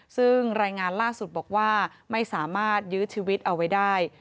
ซึ่งรายงานล่าสุดบอกว่าไม่สามารถยื้อชีวิตเอาไว้ได้